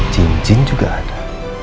cincin juga ada